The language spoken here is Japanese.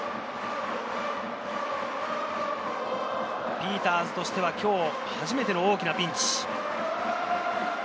ピーターズとしては今日を初めての大きなピンチ。